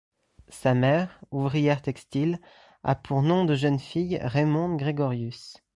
Sa mère, ouvrière textile, a pour nom de jeune fille Raymonde Grégorius.